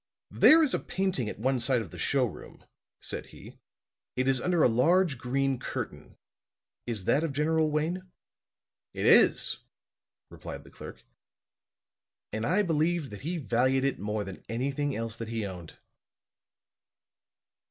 "There is a painting at one side of the show room," said he. "It is under a large green curtain. Is that of General Wayne?" "It is," replied the clerk. "And I believe that he valued it more than anything else that he owned."